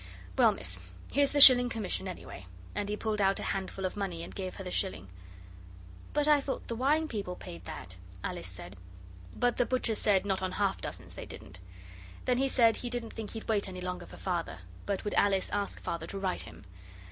Well, miss, here's the shilling commission, anyway,' and he pulled out a handful of money and gave her the shilling. 'But I thought the wine people paid that,' Alice said. But the butcher said not on half dozens they didn't. Then he said he didn't think he'd wait any longer for Father but would Alice ask Father to write him?